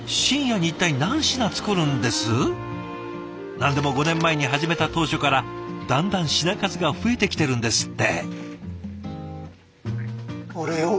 何でも５年前に始めた当初からだんだん品数が増えてきてるんですって。